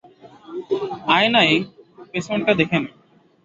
আয়নায় পেছনটা দেখে নে!